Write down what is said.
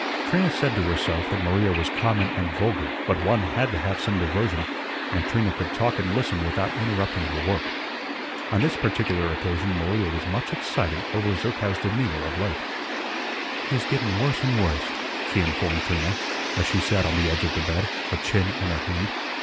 Trina said to herself that Maria was common and vulgar, but one had to have some diversion, and Trina could talk and listen without interrupting her work. On this particular occasion Maria was much excited over Zerkow's demeanor of late. "He's gettun worse an' worse," she informed Trina as she sat on the edge of the bed, her chin in her hand.